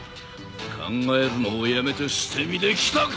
考えるのをやめて捨て身で来たか！